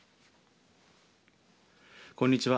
こんにちは。